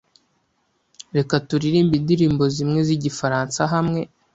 Reka turirimbe indirimbo zimwe zigifaransa hamwe.